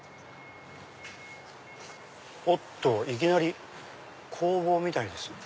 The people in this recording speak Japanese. おっといきなり工房みたいです。